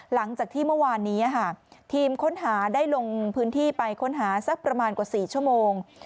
หลังจากที่เมื่อวานนี้ทีมค้นหาได้ลงพื้นที่ไปค้นหาสักประมาณกว่า๔ชั่วโมง